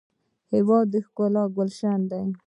هېواد د ښکلا ګلشن دی.